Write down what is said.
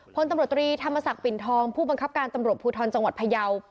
พลตำรวจตรีธรรมศักดิ์ปิ่นทองผู้บังคับการตำรวจภูทรจังหวัดพยาว